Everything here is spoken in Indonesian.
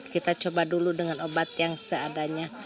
kita coba dulu dengan obat yang seadanya